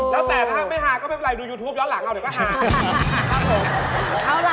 แล้วแต่ถ้าไม่ฮาก็ไม่เป็นไรดูยูทูปย้อนหลังเอาเดี๋ยวก็ฮา